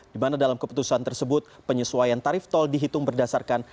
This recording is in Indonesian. di mana dalam keputusan tersebut penyesuaian tarif tol dihitung berdasarkan